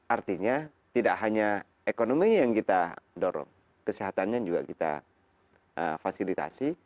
artinya tidak hanya ekonomi yang kita dorong kesehatannya juga kita fasilitasi